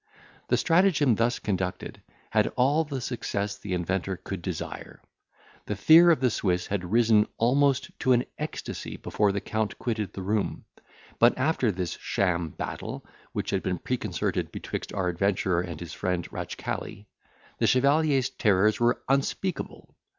The stratagem thus conducted, had all the success the inventor could desire. The fear of the Swiss had risen almost to an ecstasy before the Count quitted the room; but after this sham battle, which had been preconcerted betwixt our adventurer and his friend Ratchcali, the chevalier's terrors were unspeakable.